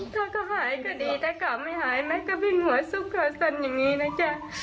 เธอก็หายก็ดีแต่ก็ไม่หายแม่ก็เป็นหัวสุขสันอย่างงี้นะจ๊ะ